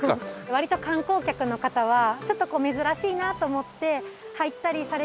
割と観光客の方はちょっと珍しいなと思って入ったりされてるのを。